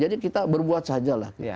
jadi kita berbuat saja lah